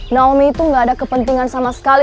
naomi itu gak ada kepentingan sama sekali